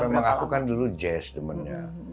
memang aku kan dulu jazz temennya